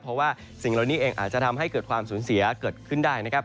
เพราะว่าสิ่งเหล่านี้เองอาจจะทำให้เกิดความสูญเสียเกิดขึ้นได้นะครับ